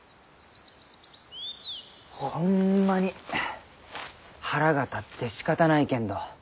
ホンマに腹が立ってしかたないけんど。